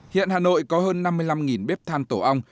hiện hà nội có hơn năm mươi năm bếp than tổ ong